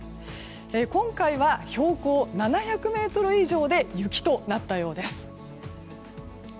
今回は、標高７００ｍ以上で雪となったようです。